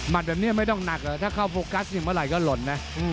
มันแบบนี้ไม่ต้องหนักถ้าเข้าโฟกัสเรียบร้อยก็หล่นนะ